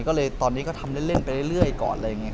ก็เลยตอนนี้ก็ทำเล่นไปเรื่อยก่อน